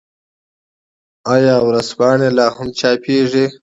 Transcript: آیا ورځپاڼې لا هم چاپيږي؟